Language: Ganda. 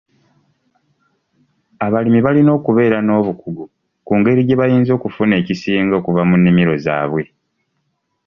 Abalimi balina okubeera n'obukugu ku ngeri gye bayinza okufuna ekisinga okuva mu nnimiro zaabwe.